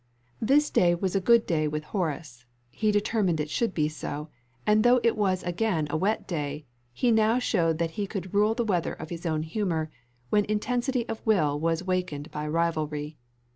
This day was a good day with Horace; he determined it should be so, and though it was again a wet day, he now showed that he could rule the weather of his own humour, when intensity of will was wakened by rivalry.